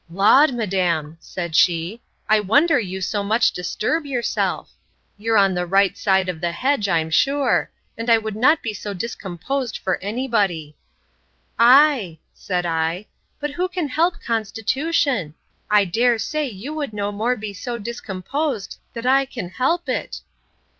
Laud, madam, said she, I wonder you so much disturb yourself!—You're on the right side the hedge, I'm sure; and I would not be so discomposed for any body. Ay, said I, but who can help constitution? I dare say you would no more be so discomposed, that I can help it.